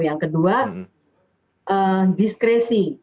yang kedua diskresi